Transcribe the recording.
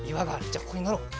じゃあここにのろう。